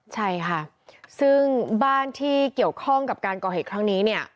ใช่ค่ะซึ่งบ้านที่เกี่ยวข้องกับการก่อเหตุครั้งนี้เนี่ย